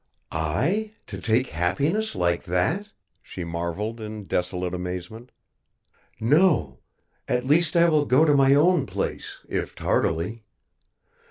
"I, to take happiness like that?" she marveled in desolate amazement. "No. At least I will go to my own place, if tardily.